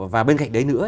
và bên cạnh đấy nữa